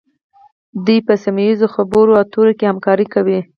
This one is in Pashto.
دوی په سیمه ایزو خبرو اترو کې همکاري کوي